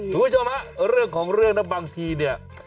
ถูกไหมเรื่องของเรื่องนะบางทีเนี่ย